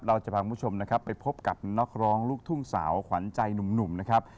เราจะพาคุณผู้ชมนะครับไปพบกับนักร้องลูกทุ่งสาวขวัญใจหนุ่มนะครับ